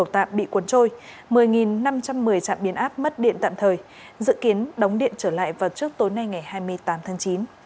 tạm bị cuốn trôi một mươi năm trăm một mươi trạm biến áp mất điện tạm thời dự kiến đóng điện trở lại vào trước tối nay ngày hai mươi tám tháng chín